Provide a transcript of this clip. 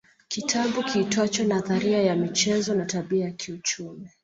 Kitabu kiitwacho nadharia ya michezo na tabia ya kiuchumi